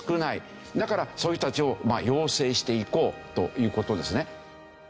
だからそういう人たちを養成していこうという事ですね。